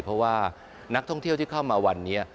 เพราะว่านักท่องเที่ยวที่เข้ามาวันนี้